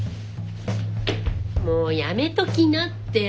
もうやめときなって。